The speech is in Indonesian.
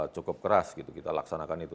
cukup keras gitu kita laksanakan itu